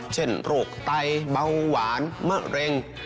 เช่นโรคไตเบาหวานมะเร็ง